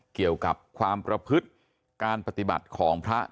เกี่ยวกับความประพฤติการปฏิบัติของพระ